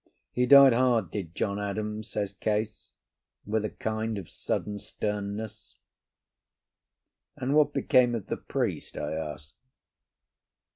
He died hard, did John Adams," says Case, with a kind of a sudden sternness. "And what became of the priest?" I asked.